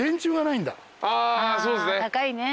あそうですね。